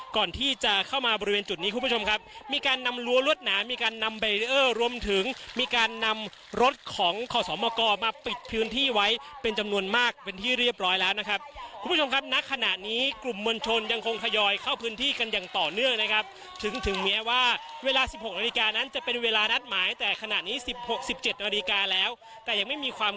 การนำรวมถึงมีการนำรถของข่อสอบมกรมาปิดพื้นที่ไว้เป็นจำนวนมากเป็นที่เรียบร้อยแล้วนะครับคุณผู้ชมครับณขณะนี้กลุ่มวลชนยังคงขยอยเข้าพื้นที่กันอย่างต่อเนื่องนะครับถึงถึงเมียว่าเวลาสิบหกนาฬิกานั้นจะเป็นเวลานัดหมายแต่ขณะนี้สิบหกสิบเจ็ดนาฬิกาแล้วแต่ยังไม่มีความ